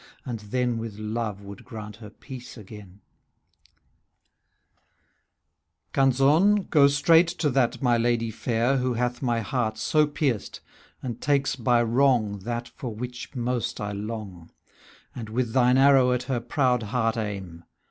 And then with Love would grant her peace again. Canzon', go straight to that my Lady fair Who hath my heart so pierced, and takes by wrong That for which most I long; And with thine arrow at her proud heart aim.